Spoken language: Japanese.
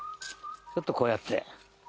ちょっとこうやって。